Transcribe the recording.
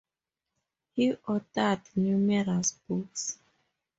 He authored numerous books.